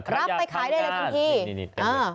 รับไปขายได้เลยทั้งที่